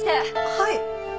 はい。